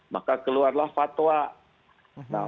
maka keluarlah fatwa